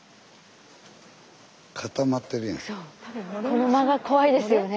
この間が怖いですよね。